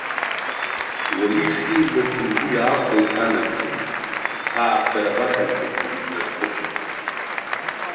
Уаҩы ишимбац лгәы иаахәеит анаӡӡеи, сааԥсара башамхеит ҳәагьы дназхәыцит.